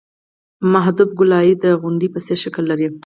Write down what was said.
محدب ګولایي د غونډۍ په څېر شکل لري